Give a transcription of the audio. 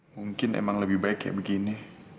mungkin emang lebih baik kayak begini